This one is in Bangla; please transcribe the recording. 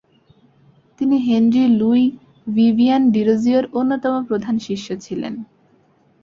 তিনি হেনরি লুই ভিভিয়ান ডিরোজিওর অন্যতম প্রধান শিষ্য ছিলেন।